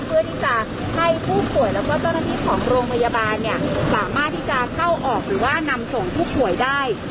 เพื่อที่จะให้ผู้ป่วยแล้วก็เจ้าหน้าที่ของโรงพยาบาลเนี่ยสามารถที่จะเข้าออกหรือว่านำส่งผู้ป่วยได้